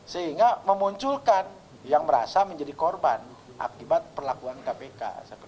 sehingga memunculkan yang merasa menjadi korban akibat perlakuan kpk